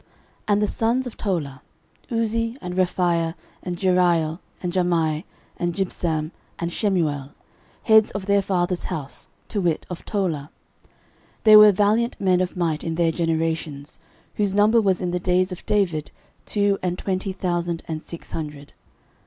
13:007:002 And the sons of Tola; Uzzi, and Rephaiah, and Jeriel, and Jahmai, and Jibsam, and Shemuel, heads of their father's house, to wit, of Tola: they were valiant men of might in their generations; whose number was in the days of David two and twenty thousand and six hundred.